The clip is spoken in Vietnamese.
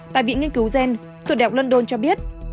tại viện nghiên cứu gen tuổi đẹp london cho biết